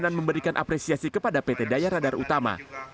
dan memberikan apresiasi kepada pt daya radar utama